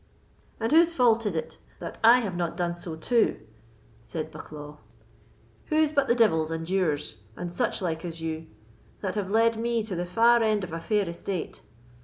"And whose fault is it that I have not done so too?" said Bucklaw—"whose but the devil's and yours, and such like as you, that have led me to the far end of a fair estate?